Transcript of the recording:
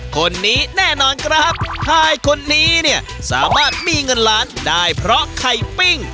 คนนี้แน่นอนครับชายคนนี้เนี่ยสามารถมีเงินล้านได้เพราะไข่ปิ้ง